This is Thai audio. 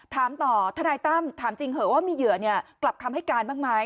ถามต่อทนายตั้มถามจริงเหอะว่ามีเหยื่อกลับคำให้การบ้างไหม